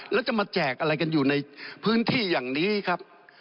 แล้วจะมาแจกอะไรกันอยู่ในพื้นที่อย่างนี้ครับ